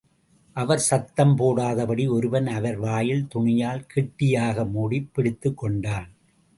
அவர் சத்தம் போடாதபடி ஒருவன் அவர் வாயில் துணியால் கெட்டியாக மூடிப் பிடித்துக்கொண்டான்.